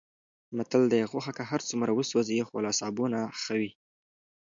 متل دی: غوښه که هرڅومره وسوځي، خو له سابو نه ښه وي.